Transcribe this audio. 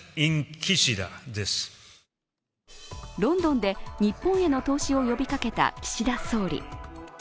ロンドンで日本への投資を呼びかけた岸田総理。